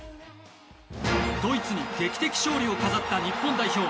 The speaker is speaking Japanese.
ドイツに劇的勝利を飾った日本代表。